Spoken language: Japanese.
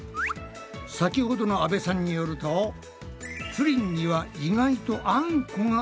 先ほどの阿部さんによるとプリンには意外とあんこが合うそうだぞ。